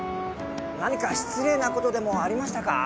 何か失礼なことでもありましたか？